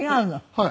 はい。